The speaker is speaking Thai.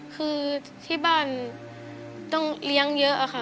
คือที่บ้านต้องเลี้ยงเยอะค่ะ